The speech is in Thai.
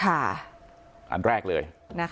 อันแรกเลย